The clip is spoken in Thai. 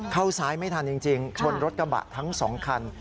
เข้าซ้ายไม่ทันจริงชนรถกระบะทั้งสองคัน